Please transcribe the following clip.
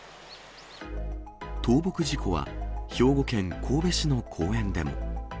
倒木事故は兵庫県神戸市の公園でも。